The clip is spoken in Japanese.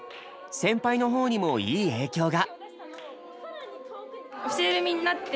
先輩の方にもいい影響が。